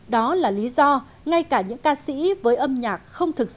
đó là lý do ngay cả những ca sĩ với âm nhạc không thực sự